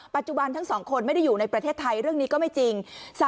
ทั้ง๒คนไม่ได้อยู่ในประเทศไทยเรื่องนี้ก็ไม่จริง